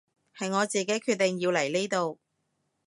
係我自己決定要嚟呢度